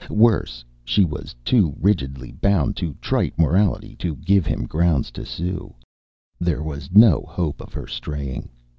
Worse, she was too rigidly bound to trite morality to give him grounds to sue. There was no hope of her straying.